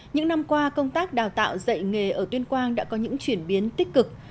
những năm qua công tác đào tạo dạy nghề ở tuyên quang đã có những chuyển biến tích cực